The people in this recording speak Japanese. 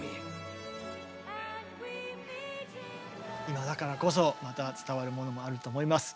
今だからこそまた伝わるものもあると思います。